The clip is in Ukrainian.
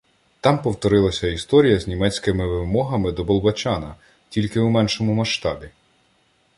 Там повторилася історія з німецькими вимогами до Болбочана, тільки у меншому масштабі.